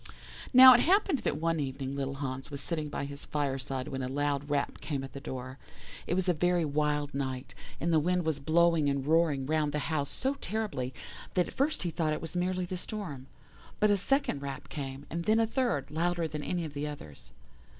"Now it happened that one evening little Hans was sitting by his fireside when a loud rap came at the door. It was a very wild night, and the wind was blowing and roaring round the house so terribly that at first he thought it was merely the storm. But a second rap came, and then a third, louder than any of the others.